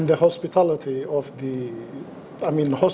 dan keberadaan negara yang dihubungkan